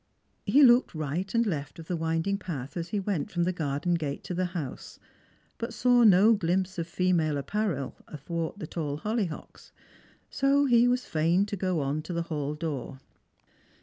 He looked right and left of the winding path as he went from the garden gate to the house, but saw no ghmpse of female apparel athwart the tall hollyhocks ; so he was lain to go on to the hall door.